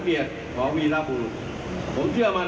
ในการวางแผนระบบแจ้งเตือนภัย